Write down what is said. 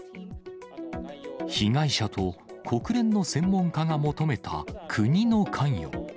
被害者と国連の専門家が求めた、国の関与。